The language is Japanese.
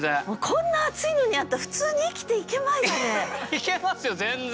いけますよ全然！